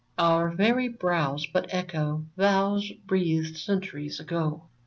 Our very vows but echo vows Breathed centuries ago